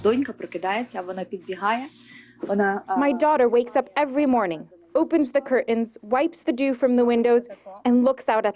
anak saya terbang setiap pagi membuka pintu mencuci air dari pintu dan melihat kelihatan